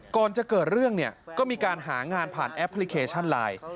ก่อนจะเกิดเรื่องเนี่ยก็มีการหางานผ่านแอปพลิเคชันไลน์